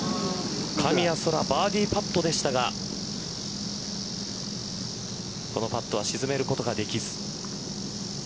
神谷そらバーディーパットでしたがこのパットは沈めることができず。